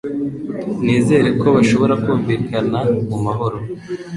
Nizere ko bashobora kumvikana mu mahoro.